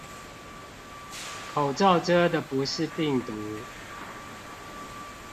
口罩遮的不是病毒